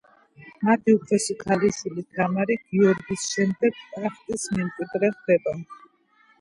მათი უფროსი ქალიშვილი თამარი გიორგის შემდეგ ტახტის მემკვიდრე ხდება.